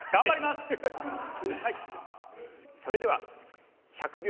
それでは１００秒